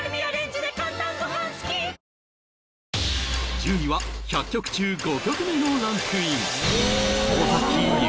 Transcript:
１０位は１００曲中５曲目のランクイン尾崎豊